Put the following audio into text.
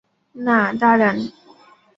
না, দাঁড়ান।